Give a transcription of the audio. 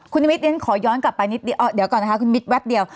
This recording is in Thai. คุณมิตย์ขอย้อนกลับไปนิดเดียวเดี๋ยวก่อนคุณมิตย์แว็บเดียว